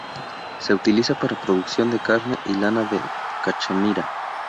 Se utiliza para producción de carne y lana de cachemira.